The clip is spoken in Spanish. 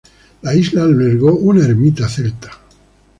La isla albergó una ermita celta.